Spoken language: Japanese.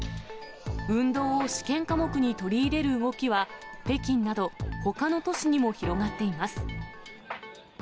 運動を試験科目に取り入れる動きは、北京など、ほかの都市にも広がっています。